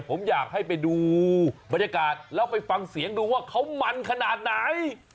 ผมอยากให้ไปดูบรรยากาศแล้วไปฟังเสียงดูว่าเขามันขนาดไหน